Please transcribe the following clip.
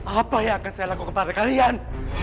apa yang akan saya lakukan kepada kalian